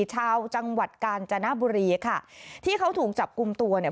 ชาวจังหวัดกาญจนบุรีค่ะที่เขาถูกจับกลุ่มตัวเนี่ย